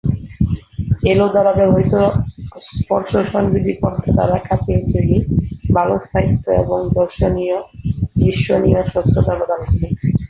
এলো দ্বারা ব্যবহৃত স্পর্শসংবেদী পর্দা সাধারণ কাচের তৈরি, ভাল স্থায়িত্ব এবং দৃশ্যনীয় স্বচ্ছতা প্রদান করে।